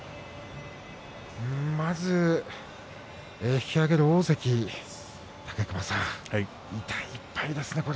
引き揚げる大関武隈さん、痛い１敗ですね。